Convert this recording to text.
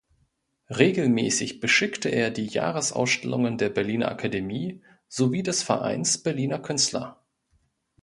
Regelmäßig beschickte er die Jahresausstellungen der Berliner Akademie sowie des Vereins Berliner Künstler.